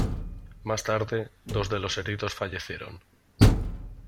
Más tarde, dos de los heridos fallecieron.